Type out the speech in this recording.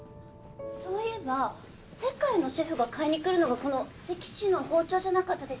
そういえば世界のシェフが買いに来るのがこの関市の包丁じゃなかったでしたっけ？